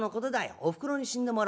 おふくろに死んでもらおううん。